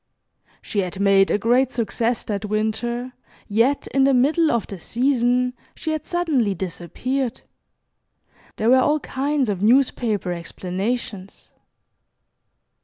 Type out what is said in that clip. She had made a great success that winter, yet, in the middle of the season, she had suddenly disappeared. There were all kinds of newspaper explanations.